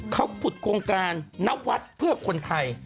เขาขุดโครงการนวัดเพื่อคนไทย